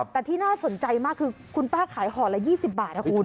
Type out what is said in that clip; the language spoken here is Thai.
แต่ที่น่าสนใจมากคือคุณป้าขายห่อละ๒๐บาทนะคุณ